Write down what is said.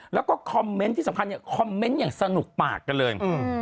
แล้วก็คอมเมนต์ที่สำคัญเนี่ยคอมเมนต์อย่างสนุกปากกันเลย